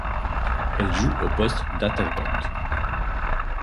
Elle joue au poste d'attaquante.